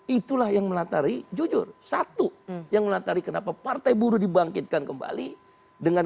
itulah yang melatari jujur satu yang melatari kenapa partai buruh dibangkitkan kembali dengan